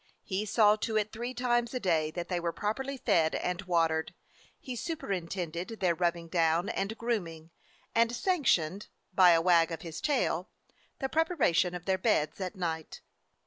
He saw to it three times a day that they were properly fed and watered, he super intended their rubbing down and grooming, and sanctioned, by a wag of his tail, the prep aration of their beds at night.